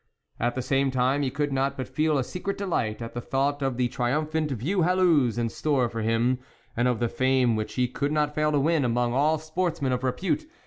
At the same time, he could not but feel a secret delight, at the thought of the triumphant view halloos in store for him, and of the fame which he could not fail to win among all sportsmen of repute.